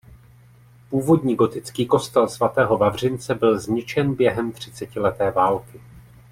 Původní gotický kostel svatého Vavřince byl zničen během třicetileté války.